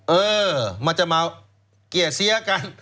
เออมันจะมาเกลี่ยเสียกัน